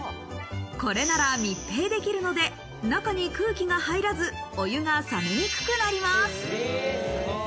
これなら密閉できるので、中に空気が入らず、お湯が冷めにくくなります。